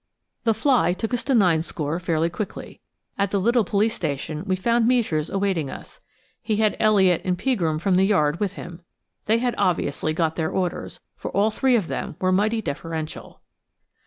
The fly took us to Ninescore fairly quickly. At the little police station we found Meisures awaiting us. He had Elliot and Pegram from the Yard with him. They had obviously got their orders, for all three of them were mighty deferential.